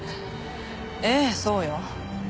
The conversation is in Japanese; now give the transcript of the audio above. ええそうよ。